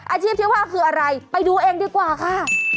อาชีพที่ว่าคืออะไรไปดูเองดีกว่าค่ะ